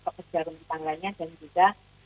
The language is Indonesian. pekerja rumah tangganya dan juga